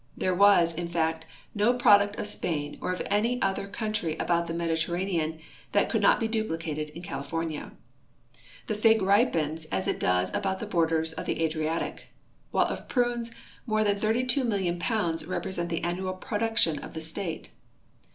There was, in fact, no pro duct of Si)ain or of any other country about the Mediterranean that could not be duplicated in California. The fig ripens as it does about the borders of the Adriatic, while of prunes more than 32,000,000 pounds represent the annual production of the state.